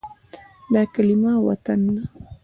دا کلمه “وطن” ده.